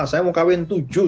saya mau kawin tujuh